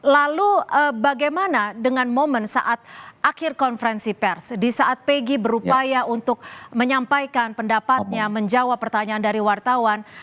lalu bagaimana dengan momen saat akhir konferensi pers di saat peggy berupaya untuk menyampaikan pendapatnya menjawab pertanyaan dari wartawan